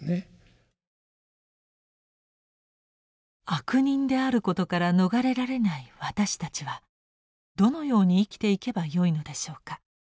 悪人であることから逃れられない私たちはどのように生きていけばよいのでしょうか。